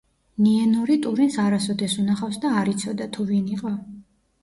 ნიენორი ტურინს არასოდეს უნახავს და არ იცოდა, თუ ვინ იყო.